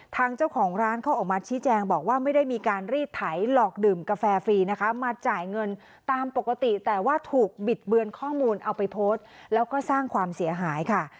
ทางเจ้าของร้านเขาออกมาชี้แจงบอกว่าไม่ได้มีการรีดไถหลอกดื่มกาแฟฟรีนะคะมาจ่ายเงินตามปกติแต่ว่าถูกบิดเบือนข้อมูลเอาไปโพสต์แล้วก็สร้างความเสียหายค่ะ